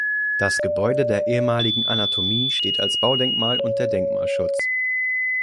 Das Gebäude der ehemaligen Anatomie steht als Baudenkmal unter Denkmalschutz.